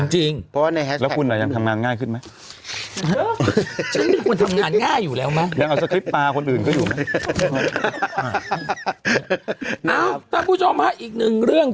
ให้ทักผู้ชมอีกหนึ่งเรื่อง